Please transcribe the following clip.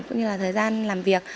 cũng như là thời gian làm việc